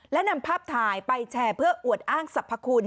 และนำภาพถ่ายไปแชร์เพื่ออวดอ้างสรรพคุณ